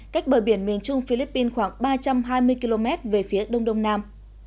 cách bờ biển miền trung philippines khoảng ba trăm hai mươi km về phía đông đông nam